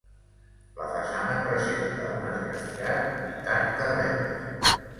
La façana presenta un esgrafiat imitant carreus.